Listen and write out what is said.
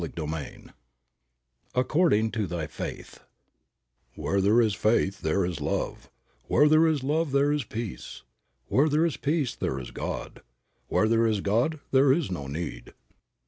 CHAPTER II "ACCORDING TO THY FAITH" "Where there is Faith there is Love, Where there is Love there is Peace, Where there is Peace there is God, Where there is God there is no need."